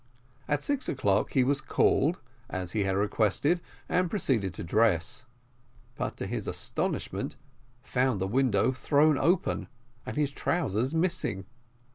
At six o'clock he was called, as he had requested, and proceeded to dress, but to his astonishment found the window thrown open and his trousers missing.